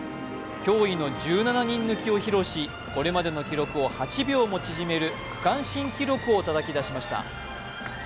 驚異の１７人抜きを披露しこれまでの記録を８秒も縮める区間新記録をたたき出しました。